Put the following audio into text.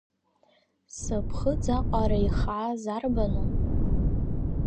Сыԥхыӡ аҟара ихааз арбану!